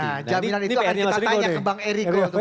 nah jaminan itu akan kita tanya ke bang eriko